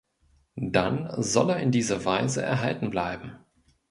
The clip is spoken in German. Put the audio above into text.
Dann soll er in dieser Weise erhalten bleiben.